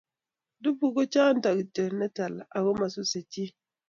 dubu ko chonto ne tala ako mosusei chii